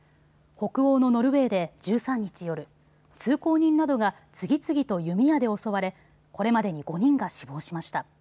北欧のノルウェーで１３日夜、通行人などが次々と弓矢で襲われこれまでに５人が死亡しました。